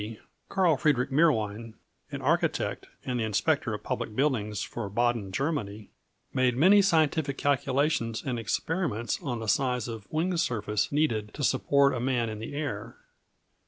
] About 1780, Karl Friedrich Meerwein, an architect, and the Inspector of Public Buildings for Baden, Germany, made many scientific calculations and experiments on the size of wing surface needed to support a man in the air.